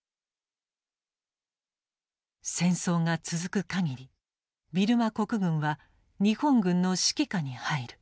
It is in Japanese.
「戦争が続く限りビルマ国軍は日本軍の指揮下に入る」。